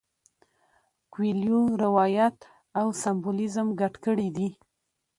کویلیو روایت او سمبولیزم ګډ کړي دي.